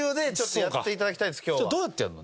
どうやってやるの？